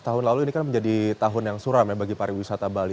tahun lalu ini kan menjadi tahun yang suram ya bagi pariwisata bali